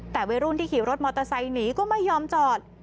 แต่วัยรุ่นที่ขี่รถมอเตอร์ไซค์หนีก็ไม่ยอมจอด